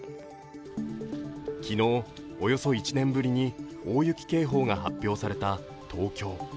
昨日、およそ１年ぶりに大雪警報が発表された東京。